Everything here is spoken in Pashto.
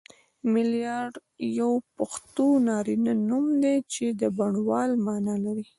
ملیار یو پښتو نارینه نوم دی چی د بڼوال معنی لری